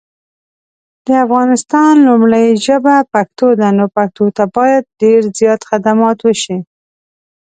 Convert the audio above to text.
د افغانستان لومړی ژبه پښتو ده نو پښتو ته باید دیر زیات خدمات وشي